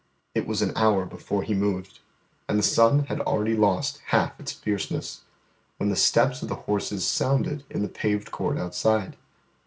It was an hour before He moved, and the sun had already lost half its fierceness, when the steps of the horses sounded in the paved court outside.